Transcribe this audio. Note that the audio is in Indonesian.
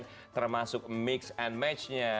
fashion termasuk mix and matchnya